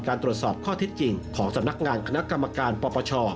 ตรวจสอบข้อเท็จจริงของสำนักงานคณะกรรมการปปช